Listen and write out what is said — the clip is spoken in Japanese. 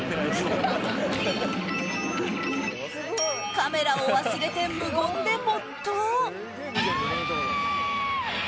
カメラを忘れて無言で没頭。